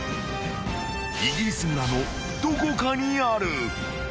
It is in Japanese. ［イギリス村のどこかにある］